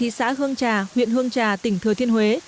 thị xã hương trà huyện hương trà tỉnh thừa thiên huế